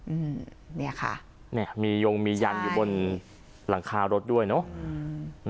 อืมเนี่ยค่ะเนี่ยมียงมียันอยู่บนหลังคารถด้วยเนอะอืม